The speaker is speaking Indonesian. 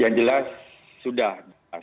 yang jelas sudah